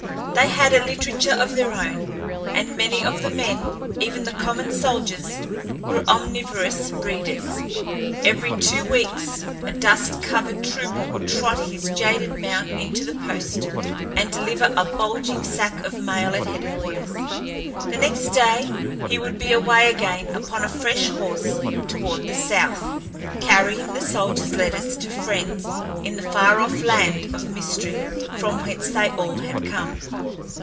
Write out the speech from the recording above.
They had a literature of their own, and many of the men, even the common soldiers, were omnivorous readers. Every two weeks a dust covered trooper would trot his jaded mount into the post and deliver a bulging sack of mail at headquarters. The next day he would be away again upon a fresh horse toward the south, carrying the soldiers' letters to friends in the far off land of mystery from whence they all had come.